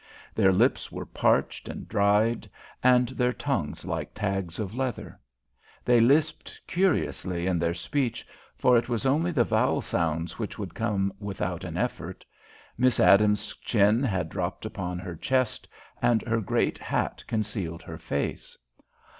Their lips were parched and dried, and their tongues like tags of leather. They lisped curiously in their speech, for it was only the vowel sounds which would come without an effort. Miss Adams's chin had dropped upon her chest, and her great hat concealed her face.